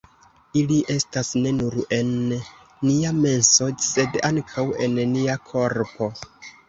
Ili estas ne nur en nia menso, sed ankaŭ en nia korpo.